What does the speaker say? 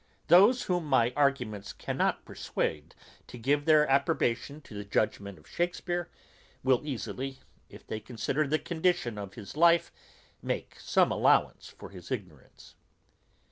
Those whom my arguments cannot persuade to give their approbation to the judgment of Shakespeare, will easily, if they consider the condition of his life, make some allowance for his ignorance.